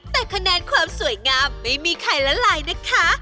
แต่คะแนนความสวยงามไม่มีใครละลายนะคะ